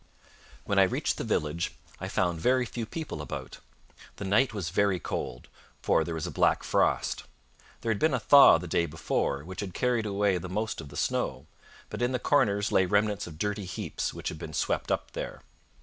When I reached the village, I found very few people about. The night was very cold, for there was a black frost. There had been a thaw the day before which had carried away the most of the snow, but in the corners lay remnants of dirty heaps which had been swept up there.